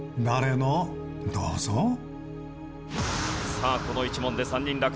さあこの１問で３人落第。